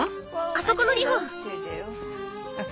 あそこの２本。